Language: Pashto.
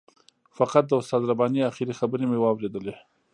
فقط د استاد رباني آخري خبرې مې واورېدې.